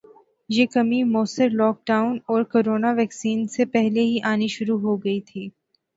یہ کمی موثر لوک ڈاون اور کورونا ویکسین سے پہلے ہی آنی شروع ہو گئی تھی